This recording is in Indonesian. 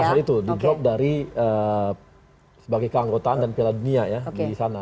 pada saat itu di drop dari sebagai keanggotaan dan pilihan dunia ya di sana